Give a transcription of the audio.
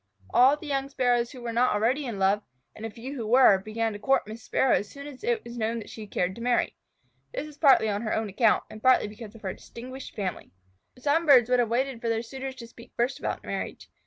All the young Sparrows who were not already in love, and a few who were, began to court Miss Sparrow as soon as it was known that she cared to marry. This was partly on her own account, and partly because of her distinguished family. Some birds would have waited for their suitors to speak first about marriage.